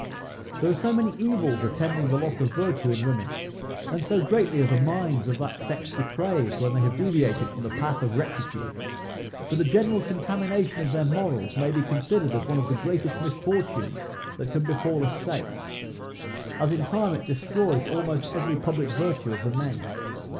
There are so many evils attending the loss of virtue in women, and so greatly are the minds of that sex depraved when they have deviated from the path of rectitude, that a general contamination of their morals may be considered as one of the greatest misfortunes that can befal a state, as in time it destroys almost every public virtue of the men.